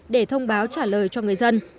để thông báo trả lời cho người dân